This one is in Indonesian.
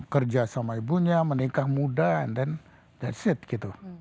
kerja sama ibunya menikah muda and then that s it